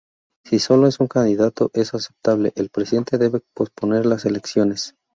Si solo un candidato es aceptable, el presidente debe posponer las elecciones.